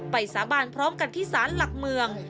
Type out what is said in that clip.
สาบานพร้อมกันที่ศาลหลักเมือง